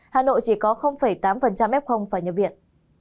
hà nội chỉ có tám f phải nhập biện